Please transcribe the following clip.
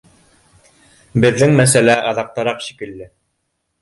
— Беҙҙең мәсьәлә аҙаҡтараҡ шикелле